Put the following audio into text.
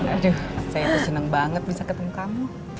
aduh saya tuh seneng banget bisa ketemu kamu